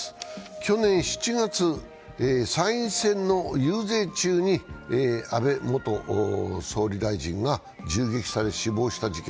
去年７月、参院選の遊説中に安倍晋三元総理が銃撃され、死亡した事件。